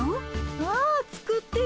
ああ作ってるよ。